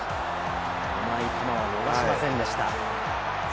甘い球は逃しませんでした。